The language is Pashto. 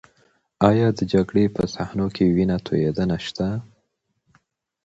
ایا د جګړې په صحنو کې وینه تویدنه شته؟